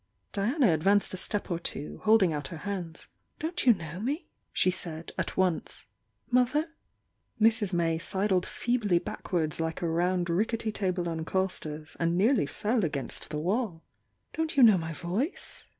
Diana advanced a step or two, holding out her hands. "Don't you know me?" she said, at once — "Mother?" Mrs. May sidled feebly backwards like a round rickety table on castors, and nearly fell against the wall. "Don't you know my voice?"